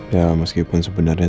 ya meskipun sebenarnya